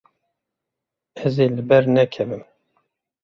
Ez ê li ber nekevim.